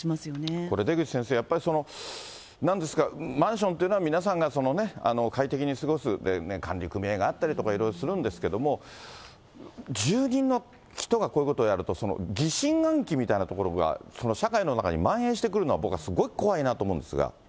これ出口先生、やっぱりこれ、なんですか、マンションというのは皆さんが快適に過ごす管理組合があったりとか、いろいろするんですけども、住人の人がこういうことをやると、疑心暗鬼みたいなところが、社会の中にまん延してくるのが僕はすごい怖いなと思うんですが。